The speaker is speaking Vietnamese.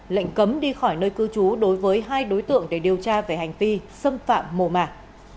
lệnh cấm đi khỏi nơi cư trú đối với hai đối tượng để điều tra về hành vi xâm phạm mồ mạng